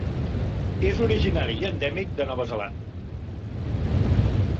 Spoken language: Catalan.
És originari i endèmic de Nova Zelanda.